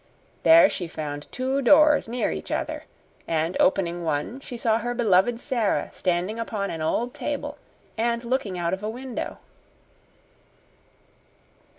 There she found two doors near each other, and opening one, she saw her beloved Sara standing upon an old table and looking out of a window.